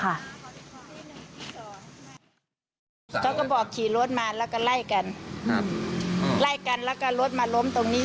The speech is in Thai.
เขาก็บอกขี่รถมาแล้วก็ไล่กันไล่กันแล้วก็รถมาล้มตรงนี้